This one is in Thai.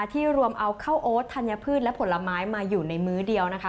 ที่รวมเอาข้าวโอ๊ตธัญพืชและผลไม้มาอยู่ในมื้อเดียวนะคะ